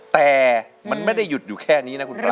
แต่มันไม่ได้หยุดอยู่แค่นี้นะคุณป้า